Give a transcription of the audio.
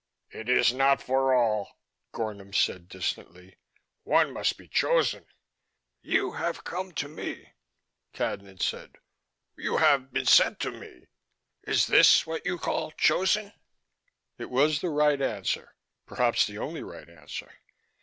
"It is not for all," Gornom said distantly. "One must be chosen." "You have come to me," Cadnan said. "You have been sent to me. Is this what you call chosen?" It was the right answer, perhaps the only right answer.